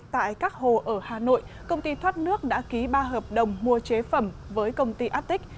tại các hồ ở hà nội công ty thoát nước đã ký ba hợp đồng mua chế phẩm với công ty attic